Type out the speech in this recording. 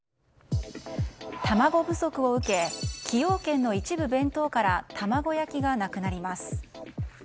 卵不足を受け崎陽軒の一部弁当から玉子焼きがなくなります。